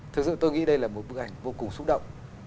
thực sự tôi nghĩ đây là một bức ảnh vô cùng xúc động